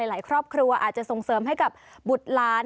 หลายครอบครัวอาจจะส่งเสริมให้กับบุตรล้าน